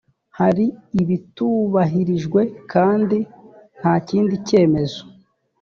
hari ibitubahirijwe kandi nta kindi cyemezo